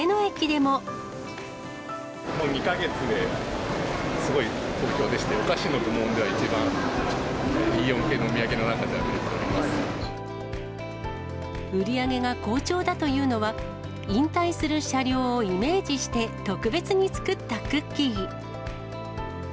もう２か月で、すごい好評でして、お菓子の部門では一番、Ｅ４系のお土産の中で売り上げが好調だというのは、引退する車両をイメージして、特別に作ったクッキー。